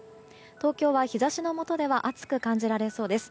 東京は日差しのもとでは暑く感じられそうです。